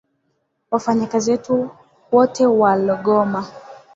Wafanyikazi wote walogoma.